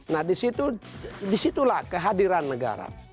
nah disitulah kehadiran negara